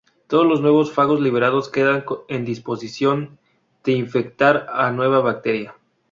Todos los nuevos fagos liberados quedan en disposición de infectar a una nueva bacteria.